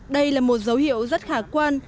đây là một dấu hiệu rất khả quan